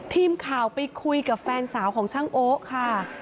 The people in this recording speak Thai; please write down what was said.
ทีมข่าวไปคุยกับแฟนสาวของช่างโอ๊ะค่ะ